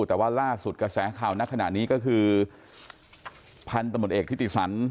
แต่ว่าล่าสุดกระแสข่าวนักขนาดนี้ก็คือพันธุ์ตมติเอกที่ติดสรร